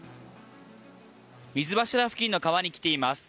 水柱付近の川に来ています。